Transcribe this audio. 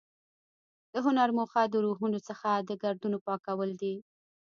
د هنر موخه د روحونو څخه د ګردونو پاکول دي.